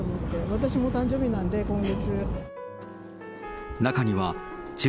私も誕生日なんで、今月。